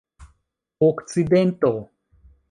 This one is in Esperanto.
okcidento